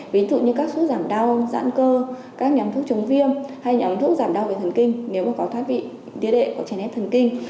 ví dụ như các thuốc giảm đau giãn cơ các nhóm thuốc chống viêm hay nhóm thuốc giảm đau về thần kinh nếu mà có thoát vị tía đệ có chén hét thần kinh